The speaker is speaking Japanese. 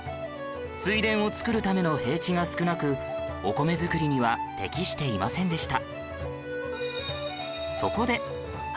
水田を作るための平地が少なくお米作りには適していませんでした